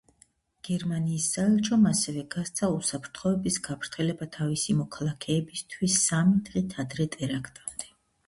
გერმანიის საელჩომ ასევე გასცა უსაფრთხოების გაფრთხილება თავისი მოქალაქეებისთვის სამი დღით ადრე ტერაქტამდე.